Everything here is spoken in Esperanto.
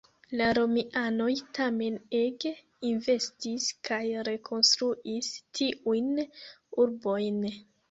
La Romianoj tamen ege investis, kaj rekonstruis tiujn urbojn.